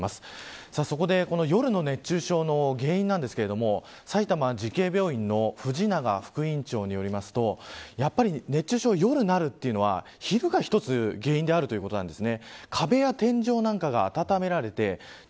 そこで夜の熱中症の原因ですが埼玉慈恵病院の藤永副院長によりますと熱中症は夜になるというのは昼が一つ原因であるということです。